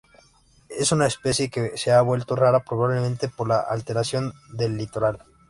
Es una especie que se ha vuelto rara, probablemente por la alteración del litoral.